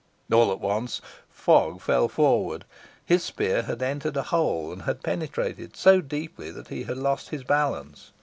All at once Fogg fell forward. His spear had entered a hole, and had penetrated so deeply that he had lost his balance.